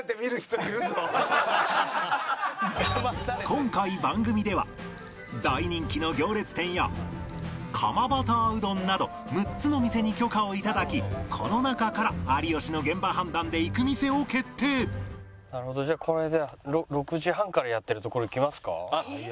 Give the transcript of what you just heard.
今回番組では大人気の行列店や釜バターうどんなど６つの店に許可を頂きこの中から有吉の現場判断で行く店を決定なるほどじゃあこれ６時半からやってる所行きますか。